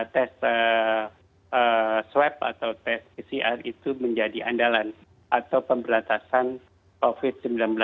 tes swab atau tes pcr itu menjadi andalan atau pemberantasan covid sembilan belas